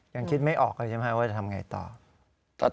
ยังคิดไม่ออกเลยใช่ไหมว่าจะทำไงต่อ